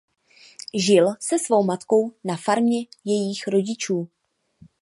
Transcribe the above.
Žil se svou matkou na farmě jejích rodičů.